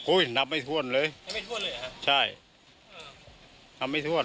โอ้ยนับไม่ท่วนเลยไม่ท่วนเลยหรอใช่เอ่อนับไม่ท่วนอ๋อ